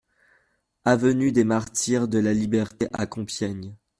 Avenue des Martyrs de la Liberté à Compiègne